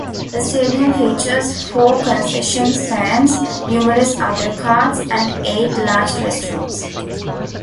The stadium features four concession stands, numerous other carts, and eight large restrooms.